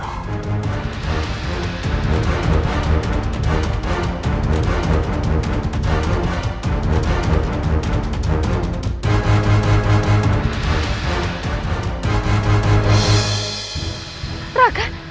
jaga dewa pahlawan